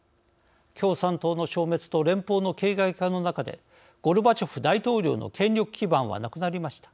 共産党の消滅と連邦の形骸化の中でゴルバチョフ大統領の権力基盤はなくなりました。